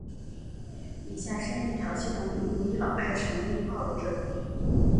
以下声韵调系统以武义老派城里话为准。